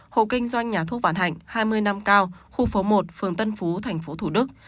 hộ kinh doanh nhà thuốc vạn hạnh hai mươi năm cao khu phố một phường tân phú tp thủ đức